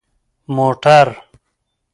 🚘 موټر